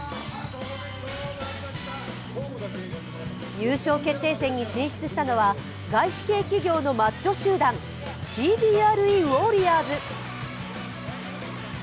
優勝決定戦に進出したのは外資系企業のマッチョ集団ＣＢＲＥＷａｒｒｉｏｒｓ。